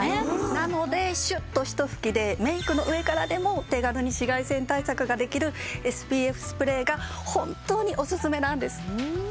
なのでシュッとひと吹きでメイクの上からでも手軽に紫外線対策ができるＳＰＦスプレーが本当におすすめなんです。